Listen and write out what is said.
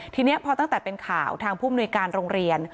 ทีนี้พอตั้งแต่เป็นข่าวทางผู้มนุยการโรงเรียน